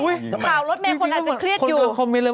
เฮ้ยข่าวรถแมงคนอาจจะเครียดอยู่